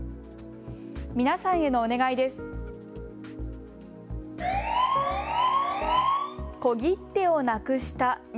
皆さんへのお願いです。